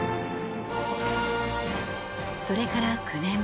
それから９年。